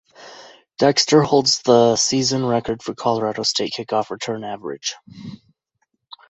Dexter holds the season record for Colorado State kickoff return average.